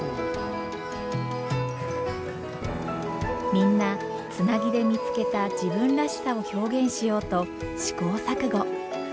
みんなつなぎで見つけた自分らしさを表現しようと試行錯誤。